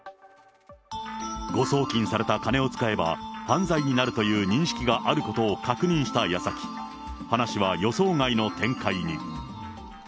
誤送金された金を使えば、犯罪になるという認識があることを確認したやさき、話は予想外の展開に。